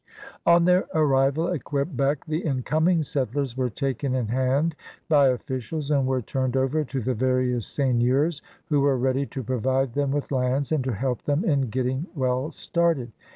On their arrival at Quebec the incoming settlers were taken in hand by officials and were turned over to the various seigneurs who were ready to provide them with lands and to help them in getting well started.